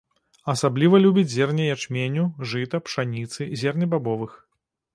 Асабліва любіць зерне ячменю, жыта, пшаніцы, зернебабовых.